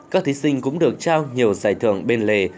các thí sinh cũng được trao nhiều giải thưởng bên lề